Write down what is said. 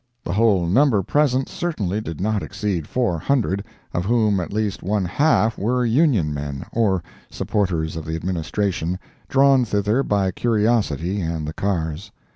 The whole number present certainly did not exceed four hundred, of whom at least one half were Union men, or supporters of the Administration, drawn thither by curiosity and the cars.